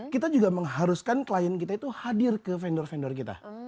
kita juga mengharuskan klien kita itu hadir ke vendor vendor kita